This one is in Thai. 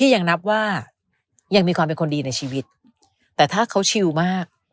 ยังมีความเป็นคนดีในชีวิตแต่ถ้าเขาชิวมาก